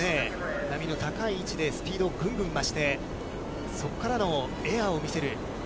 波の高い位置でスピードをぐんぐん増して、そこからのエアーを見せる。